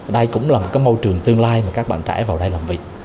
đây cũng là một cái môi trường tương lai mà các bạn trẻ vào đây làm việc